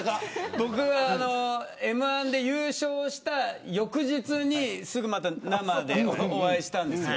僕は、Ｍ‐１で優勝した翌日にすぐ、生でお会いしたんです。